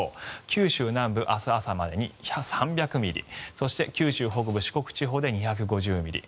九州南部明日朝までに３００ミリそして九州北部、四国地方で２５０ミリ